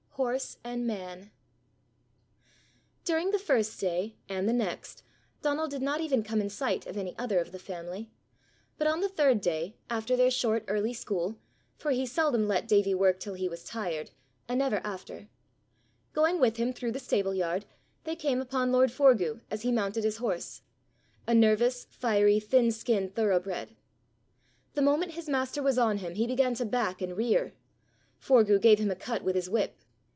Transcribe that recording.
HORSE AND MAN. During the first day and the next, Donal did not even come in sight of any other of the family; but on the third day, after their short early school for he seldom let Davie work till he was tired, and never after going with him through the stable yard, they came upon lord Forgue as he mounted his horse a nervous, fiery, thin skinned thoroughbred. The moment his master was on him, he began to back and rear. Forgue gave him a cut with his whip.